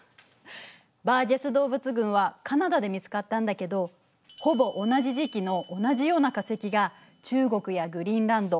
バージェス動物群はカナダで見つかったんだけどほぼ同じ時期の同じような化石が中国やグリーンランド